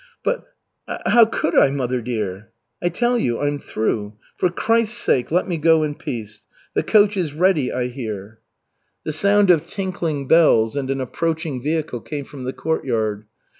"But, how could I, mother dear " "I tell you, I'm through. For Christ's sake, let me go in peace. The coach is ready, I hear." The sound of tinkling bells and an approaching vehicle came from the courtyard.